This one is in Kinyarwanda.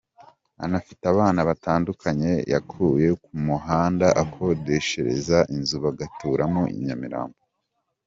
Anafite abana batandukanye yakuye ku muhanda akodeshereza inzu bagaturamo i Nyamirambo.